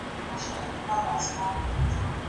هغه څوک چي کتابتون ته راځي ارام اخلي!!